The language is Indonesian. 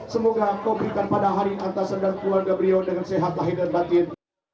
semoga kau berikan pada hari antasan dan keluarga beliau dengan sehat lahir dan batin